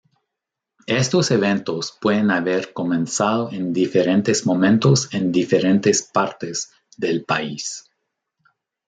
Estos eventos pueden haber comenzado en diferentes momentos en diferentes partes del país.